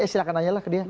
silahkan nanyalah ke dia